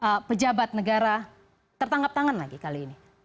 lagi pejabat negara tertanggap tangan lagi kali ini